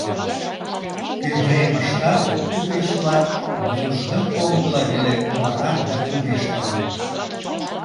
Кӧгремыштат купеч-влак вужга поҥгыла веле оварат да пудештылыт.